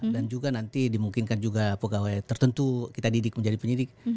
dan juga nanti dimungkinkan juga pegawai tertentu kita didik menjadi penyidik